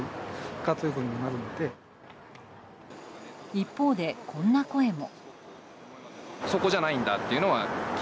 一方で、こんな声も。